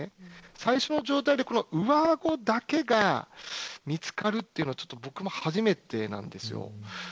最初の状態で上あごだけが見つかるというのは僕も初めてなんですよ。